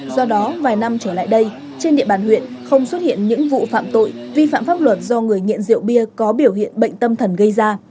do đó vài năm trở lại đây trên địa bàn huyện không xuất hiện những vụ phạm tội vi phạm pháp luật do người nghiện rượu bia có biểu hiện bệnh tâm thần gây ra